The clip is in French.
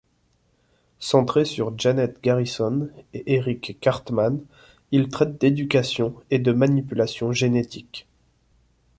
Centré sur Janet Garrison et Eric Cartman, il traite d'éducation et de manipulations génétiques.